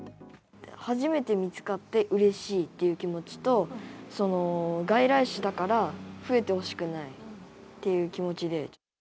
初めて見つかってうれしいという気持ちと、外来種だから増えてほしくないっていう気持ちで。